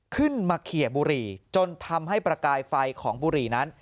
ขึ้นมาเขียบุหรี่จนทำให้ประกายไฟของบุหรี่นั้น